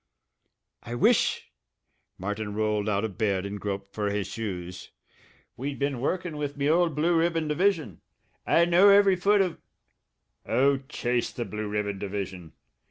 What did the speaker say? "I wish" Martin rolled out of bed and groped for his shoes "we'd been workin' with me old Blue Ribbon division. I know every foot o' " "Oh, chase the Blue Ribbon division!